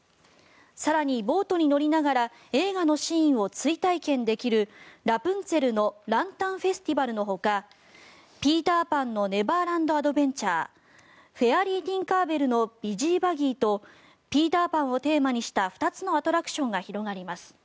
更に、ボートに乗りながら映画のシーンを追体験できるラプンツェルのランタンフェスティバルのほかピーターパンのネバーランドアドベンチャーフェアリー・ティンカーベルのビジーバギーと「ピーター・パン」をテーマにした２つのアトラクションが広がります。